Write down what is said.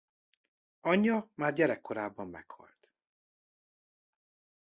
Anyja már gyerekkorában meghalt.